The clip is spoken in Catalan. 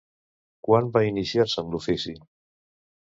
Quan va iniciar-se en l'ofici?